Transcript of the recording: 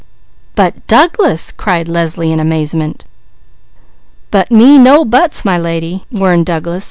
"But Douglas!" cried Leslie in amazement. "'But me no buts,' my lady!" warned Douglas.